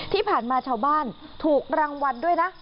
ที่ผ่านมาชาวบ้านถูกรางวัลด้วยนะ